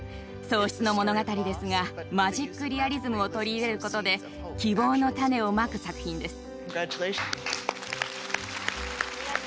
喪失の物語ですがマジックリアリズムを取り入れることで希望の種をまく作品です。